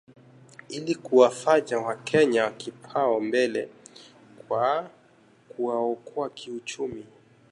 ili kuwafanya wakenya kipao mbele kwa kuwaokoa kiuchumi